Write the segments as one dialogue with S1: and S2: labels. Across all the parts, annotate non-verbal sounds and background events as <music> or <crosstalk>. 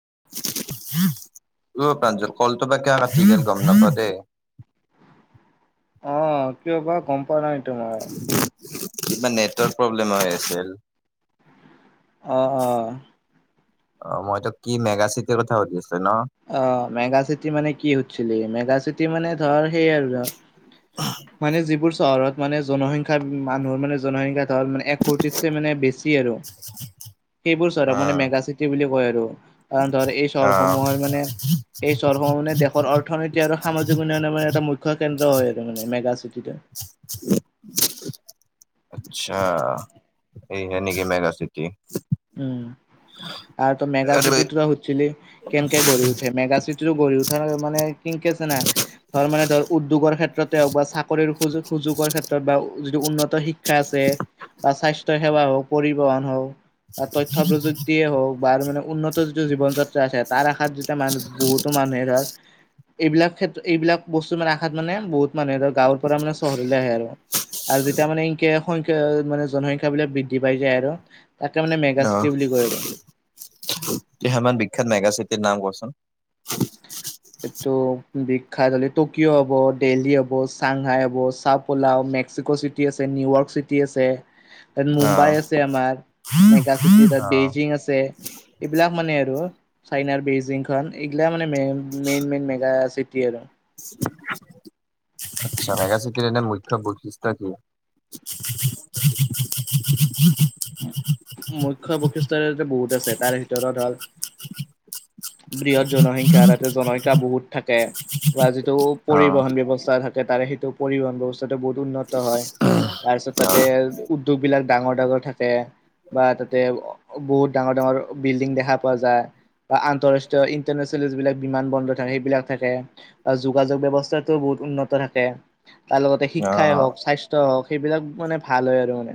S1: <unintelligible>
S2: উ প্ৰাঞ্জল কলটো বাকে গম নাপও দে।
S1: অহ কিয় বা গম পোৱা নাই তোমাৰ।
S2: কিবা নেটৱৰ্ক প্ৰব্লেম হৈ আছিল।
S1: অহ অহ।
S2: অ মইতো কি মেগা চিটিৰ কথা পাতি আছো।
S1: অ মেগা চিটি মানে কি সোধিছিলি মেগা চিটি মানে ধৰ। সেইয়ে আৰু মানে যিবোৰ চহৰত মানে জনসংখ্যা মানুহৰ মানে জনসংখ্যা। ধৰ মানে এক কোটিচে মানে বেছি আৰু সেইবোৰ চহৰক মানে
S2: উম
S1: মেগা চিটি বুলি কয় আৰু। অ ধৰ এই
S2: অ
S1: চহৰসমূহৰ মানে এই চহৰসমূহ মানে দেশৰ অৰ্থনীতি আৰু সামাজিক উন্নয়নৰ। এটা মুখ্য কেন্দ্ৰ হয় আৰু এটো মানে মেগা চিটিটো।
S2: আচ্ছা এইহে নেকি মেগ চিটি।
S1: উম আৰু ত মেগা
S2: আৰে
S1: চিটি সুধিছিলি কেনকে গঢ়ি উঠে মেগা চিটি। গঢ়ি উঠাৰ মানে কিনকেছে জানা ধৰ মানে ধৰ উদ্যোগৰ ক্ষেত্ৰতে হওক বা চাকৰি সোজোগ। সোগৰ ক্ষেত্ৰত বা যিটো উন্নত শিক্ষা আছে বা স্বাস্থ্য সেৱা হওক পৰিবহন হওক। তথ্য প্ৰযুক্তিয়ে হওক বা মানে উন্নত জীৱন যাত্ৰা আছে তাৰ আশাত যেতিয়া মানুহ বহুতো মানুহে ধক এইবিলাক ক্ষেত্ৰ এইবিলাক বস্তু মানে আশাত মানে বহুত মানুহে ধৰ গাঁৱৰ পৰা মানে চহৰলৈ আহে আৰু আৰু যেতিয়া মানে এনকে সংখ্যা মানে জনসংখ্যা বিলাক বৃদ্ধি পাই যায় আৰু মানে মেগা
S2: অহ
S1: চিটি বুলি কয় আৰু
S2: কেইটামান বিখ্যাত মেগাচিটি নাম কোৱাচোন
S1: এইটো বিখ্যাত হলে টকিঅ' হ'ব দেল্হি হ'ব চাংহাই হ'ব চাহ পোলা মে্স। চিটি আছে নিউয়ৰ্ক চিটি আছে। তাত
S2: অ
S1: মুম্বাই আছে আমাৰ মেগা চিটি তাত
S2: অ
S1: বেইজিং আছে। এইবিলাক মানে আৰু চাইনাৰ বেইজিং খ এইগিলাক মানে মেই। ন মেগা চিটি আৰু।
S2: গ চিকিলণ মুখ্য বিশিষ্ট কি। উ <unintelligible>
S1: মুখ্য বৈশিষ্টৰে বহুত আছে তাৰ ভিতৰত হ'ল বৃহৎ। জনসংখ্যা তাতে জনসংখ্যা বহুত থাকে বা যিটো
S2: অ
S1: পৰিবহন ব্যৱস্থা থাকে তাৰে সেইটো। পৰিবহন ব্যৱস্থাটো বহুত উন্নত হয় তাৰ পিছত তাতে উদ্যোগ বিলাক ডাঙৰ ডাঙৰ থাক। বা তাতে বহুত ডাঙৰ ডাঙৰ বিল্ডিং দেখা পোৱা যায়। বা আন্তঃৰাষ্ট্ৰীয় ইন্টাৰনেশ্যনেল বিলাক। বিমান বন্দৰ থাকে সেইবিলাক থাকে আৰু যোগাযোগ ব্যৱস্থাত কোনো বহুত উন্নত থাকে। তাৰ লগতে
S2: অ অ
S1: শিক্ষাই হওক স্বাস্থ্যই হওক সেইবিলাক মানে ভাল হয় আৰু মানে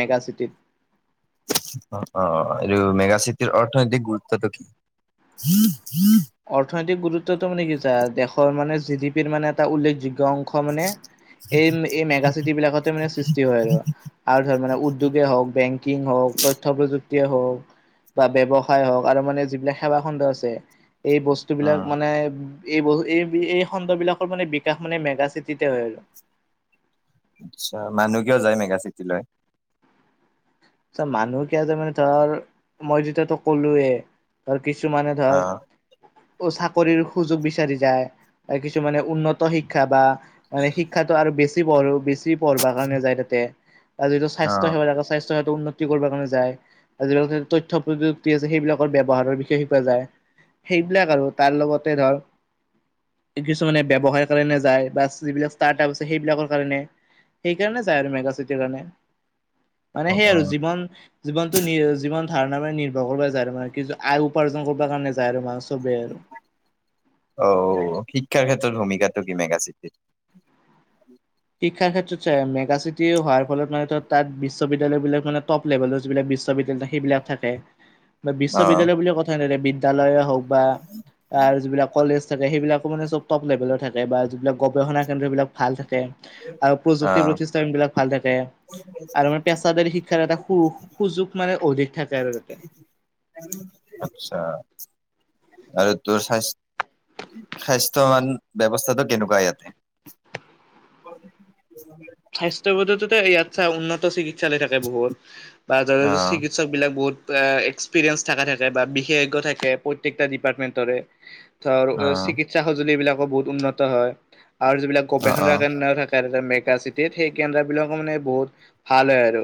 S1: মেগা চিটিত।
S2: অ এইটো মেগাচিটিৰ অৰ্থনৈতিক গুৰুত্বটো কি।
S1: অৰ্থনৈতিক গুৰুত্বটো মানে কি দেশৰ মানে জি ডি পিৰ মানে এটা উল্লেখযোগ্য। অংশ মানে। এই এই মেগাচিটি বিলাকতে মানে সৃষ্টি হয় ৰ আৰু ধৰ মানে উদ্যোগে হওক বেংকিং হওক। তথ্য প্ৰযুক্তিয় হওক বা ব্ৱসায় হওক আৰু মানে যিবিলাক সেৱা খণ্ড আছে। এই বস্তুবিলাক
S2: উম
S1: মানে। এই বহ এই এই খণ্ড বিলাকৰ মানে বিকাশ মানে মেগা চিটিতে হৈ আৰু
S2: আচ্ছা মানুহ কিয় যায় মেগা চিটি লৈ
S1: ত মানুহ কিয় যে মানে ধৰ মই যেতিয়াতো কলোয়ে ধৰ কিছুমানে ধৰ
S2: অ
S1: চাকৰিৰ সুযোগ বিচাৰিছে যায় কিছু মানে উন্নত শিক্ষা বা মানে শিক্ষাটো আৰু বেছি পঢ়ো বেছি পঢ়া কাৰণে যায় তাতে যিটো
S2: অ
S1: স্বাস্থ্য সেৱা স্বাস্থ্য সেৱাটো উন্নতি কৰিব কাৰণে যায় আৰু তথ্য প্ৰযুক্তি আছে সেইবিলাকৰ ব্যৱহাৰ বিষয়ে শিকোৱা যায় সেইবিলাক আৰু তাৰ লগতে ধৰ কিছুমানে ব্যৱসায়ৰ কাৰণে যায় বা যিবিলাক চাৰ্টাব আপ আছে সেইবিলাকৰ কাৰণে সেইকাৰণে যায় আৰু মেগা চিটিৰ কাৰণে
S2: অ
S1: মানে সেইৰ
S2: অ
S1: আৰু জীৱন জীৱনটো নি জীৱন ধাৰণাৰ মানে নিৰ্ভৰ কৰিব যায় আৰু মানে কি আয় উপাৰ্জন কৰিব কাৰণে যায় আৰু মানুহ
S2: অ শিক্ষাৰ ক্ষেত্ৰত ভূমিকা সেইটো কি মেগা চিটি?
S1: শিক্ষাৰ ক্ষেত্ৰত মেগ চিটি হোৱাৰ ফলত মানে তাত বিশ্ববিদ্যালয় বিলাক মানে টপ্ লেভেলৰ যিবিলাক বিশ্ববিদ্যালয় সেইবিলাক থাকে বা
S2: অ',
S1: বিশ্ববিদ্যালয় বুলিয়ে কথা এনে বিদ্যালয়য়ে হওক বা তাৰ যিবিলাক কলেজ থাকে সেইবিলাকো মানে চব টপ লেভেলৰ থাকে বা যিবিলাক গৱেষণা কেন্দ্ৰ বিলাক ভাল থাকে আৰু প্ৰযুক্তি
S2: অ',
S1: প্ৰতিষ্ঠানবিলাক ভাল থাকে আৰু মানে পেছাদাৰী শিক্ষাৰ এটা সু সুযোগ মানে অধিক থাকে আৰু তাতে
S2: আচ্ছা আৰু তোৰ স্বাস্থ্যৱান ব্যৱস্থাটো কেনেকুৱা ইয়াতে
S1: <inaudible> স্বাস্থ্যবোধত ইয়াত চা উন্নত চিকিৎসালয় থাকে বহুত বা য
S2: অ',
S1: চিকিৎসক বিলাক বহুত এক্সপিৰিয়েন্ঞ্চ থকা থাকে বা বিশেষজ্ঞ থাকে প্ৰত্যেকটা ডিপাৰ্টমেন্টৰে ধৰ
S2: অ',
S1: চিকিৎসা সঁজুলি বিলাকো বহুত উন্নত হয় আৰু যিবিলাক
S2: অ',
S1: গবেষণা
S2: অ'।
S1: কেন্দ্ৰ থাকে মেকা চিটি তেনে সেই কেন্দ্ৰ বিলাকৰ মানে বহুত ভাল হয় আৰু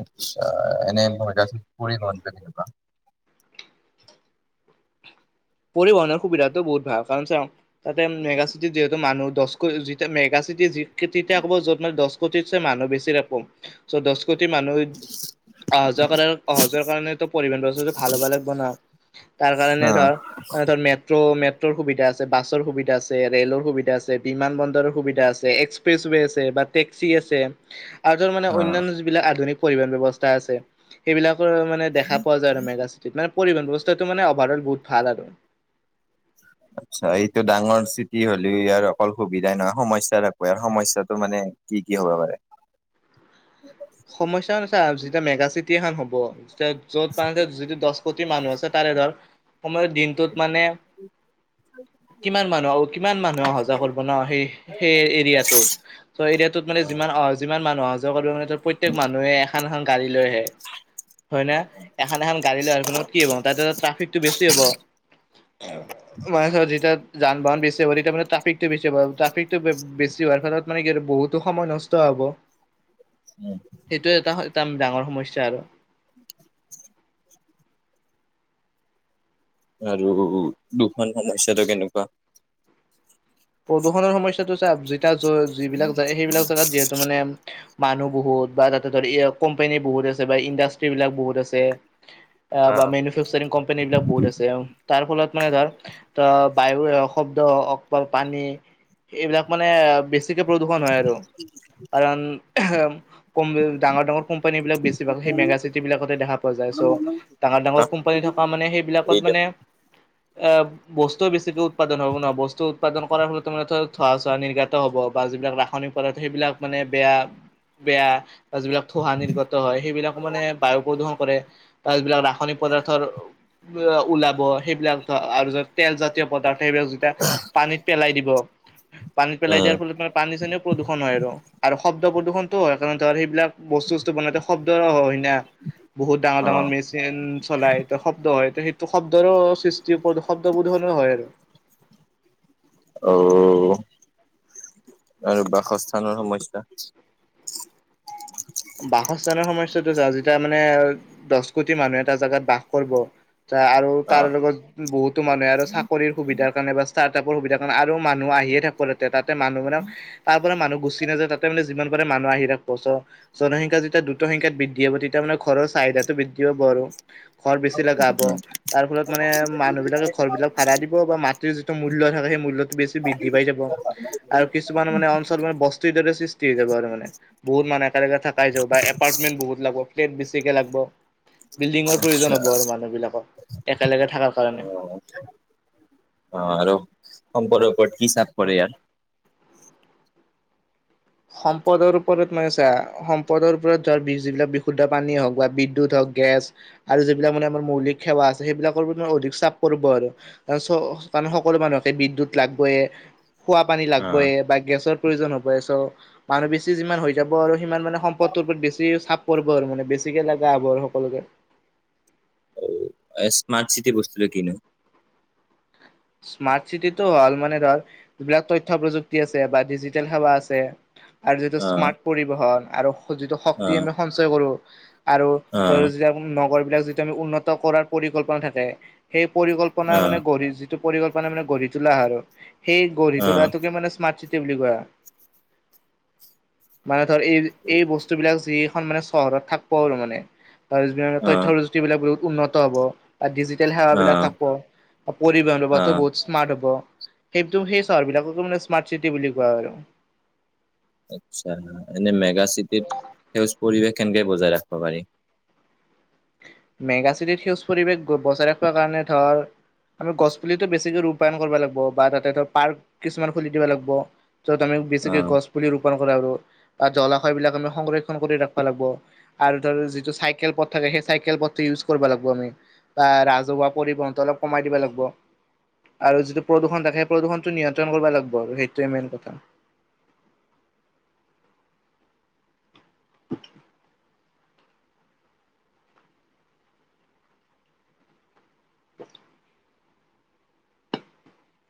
S2: আচ্ছা <unintelligible>
S1: পৰিবহনৰ সুবিধাটো বহুত ভাল কাৰণ চাওঁ তাতে মেগা চিটিত যিহেতু মানুহ দশ কৈ তেতিয়া ক'ব য'ত ম দহ কোটিতছে মানুহ বেছিৰে কম চ' দহ কোটি মানুহ অহা-যোৱা সহজৰ কাৰণো পৰিবন বস্তুটো ভাল হব লাগব না ও তাৰ কাৰণে ধৰ
S2: অ',
S1: মে ত মেট্ৰ' মেট্ৰ ৰ সুবিধা আছে বাছৰ সুবিধা আছে ৰেলৰ সুবিধা আছে বিমান বন্দৰৰ সুবিধা আছে এক্সপ্ৰেছৱে আছে বা টেক্সি আছে আৰু মানে অনান্য যিবিলাক আধুনিক পৰিবহন ব্যয়ৱস্থা আছে সেইবিলাক মানে দেখা পোৱা যায় আৰু মেগা চিটিত মানে পৰিহন ব্যৱস্থাটো মানে অভাৰ অল বহুত ভাল আৰু
S2: আচ্ছা এইটো ডাঙৰ চিটি হলেও ইয়াৰ অকল সুবিধাই নহয় সমস্যা থাকো ই সমস্যাটো মানে কি কি হ'ব পাৰে?
S1: সমস্যাটো ছোৱা যেতিয়া মেগা চিটি এখনখন হ'ব য'ত মান যটো দহ কোটি মানুহ আছে তাৰে ধৰ সময়ৰ দিনটোত মানে <inaudible> কিমান মানুহ কিমান মানুহে অহা যোৱা কৰিব ন সেই সেই এৰিয়াটোত ত এৰিয়াটোত মানে যিমান অ যিমান মানুহ অহা যোৱা কৰিব প্ৰত্যেক মানুহে এখন এখন গাড়ী লৈ আহে হয় ন এখন এখন গাড়ী লয় আহিব তাত কি হ'ব ট্ৰফিকটো বেছি হ'ব মানছৰত যেতিয়া যান বাহন বেছি হ তেতিয়া ট্টৈফিকটো বেছি হ ট্ৰাফিকতটো বেছি হোৱাৰ ফলত মানে কি বহুতো সময় নষ্ট হ'ব সেইটোয়ে এটা এটা ডাঙৰ সমস্যা আৰু
S2: <inaudible> আৰু দুখন সমস্যাটো কেনেকুৱা
S1: প্ৰদূষণৰ সমস্যাটো চা যিবিলাক যায় সেইবিলাক জেগাত যিহেতু মানে <unintelligible> মানুহ বহুত বা তাতে ধৰি কোম্পানী বহুত আছে বা ইণ্ডাষ্ট্ৰ্ৰী বিলাক বহুত আছে বা মেনফেকচাৰিং কোম্পানী বিলাক বহুত আছে তাৰ ফলত মানে ধৰ অ বায়ু শব্দ অক পানী এইবিলাক মানে বেছি প্ৰদূষণ হয় আৰু কাৰণ কম ডাঙৰ ডাঙৰ কোম্পানী বিিলাক বেছিভাগ সেই মেগা চিটিব কোম্পানী বিলাকতে বেছি ভাগ সেই মেগা চিটি বিলাকতে দেখা পোৱা যায় চব ডাঙৰ ডাঙৰ কোম্পানী থকা মানে
S2: দি
S1: সেইবিলাকত
S2: দিয়ক
S1: মানে <unintelligible> এই বস্তু বেছিকে উৎপাদন হ'ব ন বস্তু উৎপাদন কৰাৰ ফলত মানে ধৰা ধোৱা চোৱা নিৰ্গাত হ'ব বা যিবিলাক ৰাসায়নিক পদাৰ্থ সেইবিলাক মানে বেয়া বেয়া বা যিবিলাক ধোঁহা নিৰ্গত হয় সেইবিলাক মানে বায়ু প্ৰদূষণ কৰে বা যিবিলাক ৰাসায়নিক খনিজ পদাৰ্থৰ ওলাব সেইবিলাক আৰু তেলজাতীয় পদাৰ্থ যেতিয়া পানীত পেলাই দিব পানী পেলাই
S2: উম।
S1: দিয়াৰ ফলত মানে পানী চানীও প্ৰদূষণ হয় আৰু আৰু শব্দ শব্দ প্ৰদূষণটো হয় কাৰণ ধৰ সেইবিলাক বস্তু বস্তু বনাওঁতে শব্দ হয় বহুত ডাঙৰ ডাঙৰ
S2: অ',
S1: মেচিন চলাই ত শব্দ হয় সেই শব্দৰো সৃষ্টি শব্দবোধনৰ হয় আৰু
S2: অঔ আৰু বাসস্থানৰ সমস্যা
S1: বাসস্থানৰ সমস্যাটো যা যেতিয়া মানে দহ কোটি মানুহে এটা জাগাত বাস কৰিব আৰু তাৰ
S2: অ',
S1: লগত বহুতো মানুহে আৰু চাকৰিৰ সুবিধাৰ কাৰণে ৰ সুবিধা কাৰণ আৰু মানুহ আহিয়ে থাকো তাতোতে মানুহ মানে তাৰ পৰা মানুহ গুচি নযায় তাতে মানে জীৱন যিমান পাৰে মানুহ আহি ৰাখিব চ জনসংখ্যা যেতিয়া দুদ্ৰত সংখ্যাত বৃদ্ধি হ'ব তেতিয়া মানে ঘৰৰ চাহিদাটো বৃদ্ধি হ'ব আৰু ঘৰ বেছি লগা হব তাৰ ফলত মানে মানুহ বিলাকে ঘৰ বিলাক ভাড়াই দিব বা মাটিৰ যিটো মূল্য থাকে মূল্যতটো বেছি বৃদ্ধি পাই যাব আৰু কিছুমান মানে অঞ্চল মানে বস্তুৰ এই দৰে সৃষ্টি হৈ যাব আৰু মানে বহুত মানে একেলগে থাকাই যও বা এপাৰ্টমেণ্ বহুত ল ফ্লেট বেছিকে লাগব বিল্ডিঙৰ প্ৰয়োজন
S2: আচ্ছা
S1: হ'ব আৰু মানুহবিলাকৰ একেলগে থাকাৰ কাৰণে
S2: অ আৰু সম্পৰৰ ওপৰত কি চাপ কৰে ইয়াৰ
S1: সম্পদৰ ওপৰত নহয় চা সম্পদৰ ওপৰত ধৰ যিবিলাক বিশুদ্ধ পানী হওক বা বিদ্যুত হওক গেছ আৰু যিবিলাক মানে আমাৰ মৌলিক সেৱা আছে সেইবিলাকৰ ম অধিক চাপ কৰিব আৰু ত কাৰণ সকলো মানুহকে বিদ্যুত লাগবয়ে খোৱা পানী
S2: অ',
S1: লাগবয় বা গেছৰ প্ৰয়োজন হ'বই চ' মানুহ বেছি যিমান হৈ যাব আৰু সিমান মানে সম্পদটোৰ ওপৰত বেছি চাপ পৰিব আৰু মানে বেছিকে লগা হ'ব আৰু সকলোকে
S2: অ স্মাৰ্ট চিটি বস্তুটো কিনো
S1: স্মাৰ্ট চিটিটো হ'ল মানে ধৰ যিবিলাক তথ্য প্ৰযুক্তি আছে বা ডিজিটেল সেৱা আছে আৰু যিটো
S2: অ',
S1: স্মাৰ্ট পৰিবহন আৰু যিটো
S2: অ',
S1: শক্তি আমি সঞ্চয় কৰো আৰু ধৰিক
S2: অ',
S1: যতিটো নগৰবিলাক যিটো আমি উন্নত কৰাৰ পৰিকল্পনা থাকে সেই পৰিকল্পনা মানে
S2: অ',
S1: গঢ়ি যিটো পৰিকল্পনা মানে গঢ়ি তোলা আৰু সেই গঢ়ি
S2: অ',
S1: তোলাটোকে মানে স্মাৰ্ট চিটি স্মাৰ্ট চিটি বুলি কোৱা মানে ধৰ এই এই বস্তুবিলাক যি মানে চহৰত থাকিব আৰু মানে আৰু তথ্য
S2: অ',
S1: প্ৰযুতি বিলাক বহুত উন্নত হ'ব ডিজিটেল সেৱা বিলাক
S2: অ',
S1: থাকব পৰিবহন ব্যৱস্থা টো
S2: অ',
S1: বহুত স্মাৰট সেইটো সেই চহৰ বিলাককো মানে স্মাৰ্ট চিটি বুলি কোৱা হয় আৰু
S2: আচ্ছা এনে মেগা চিটিৰ সেউজ পৰিৱেশ কেনকে বজাই ৰাখিব পাৰি
S1: মেগাচিটিত সেউজ পৰিৱেশ বচাই ৰখাৰ কাৰণে ধৰ আমি গছ পুলিতো বেছিকে ৰূপায়ন কৰিব লাগিব বা তাতে ধৰ পাৰ্ক কিছুমান খুলি দিব লাগিব তম
S2: অ',
S1: বেচিকে গছ পুলি ৰোপণ বা জলাশয় বিলাক আমি সংৰক্ষণ কৰি ৰাখবা লাগিব আৰু ধৰ যিটো চাইকেল পথেৰে সেই চাইকেল পথেৰে ইউজ কৰিব লাগিব আমি বা ৰাজহুৱা পৰিবহন অলপ কমাই দিব লাগিব। আৰু যিটো প্ৰদূৰণ দেখে সেই প্ৰদূৰণটো নিয়ন্ত্ৰণ কৰিব লাগব আৰু সেইটোৱে মেইন কথা <inaudible> <inaudible> <inaudible>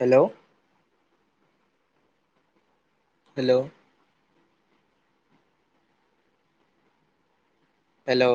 S1: হেল্ল' হেল্ল' হেল্ল'